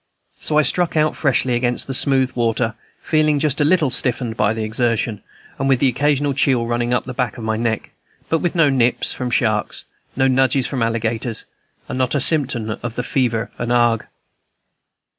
So I struck out freshly against the smooth water, feeling just a little stiffened by the exertion, and with an occasional chill running up the back of the neck, but with no nips from sharks, no nudges from alligators, and not a symptom of fever and ague.